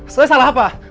saya salah apa